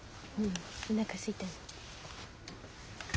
おなかすいたね。